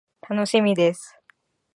楽しみです。